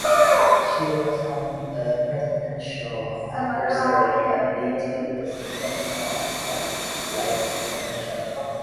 She was on the Presidential Advisory Committee to the Centennial of Flight commission.